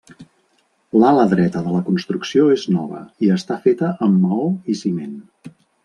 L'ala dreta de la construcció és nova i està feta amb maó i ciment.